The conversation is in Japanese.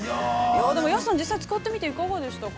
でも、安さん、実際使ってみていかがでしたか？